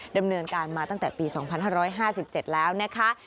ดำเนินการมาตั้งแต่ปี๒๕๕๗แล้วนะคะ